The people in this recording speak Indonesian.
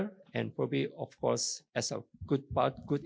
dan mungkin tentu saja sebagai